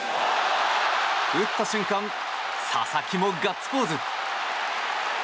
打った瞬間佐々木もガッツポーズ。